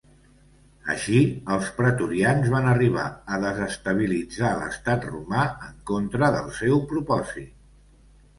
Així, els pretorians van arribar a desestabilitzar l'estat romà, en contra del seu propòsit.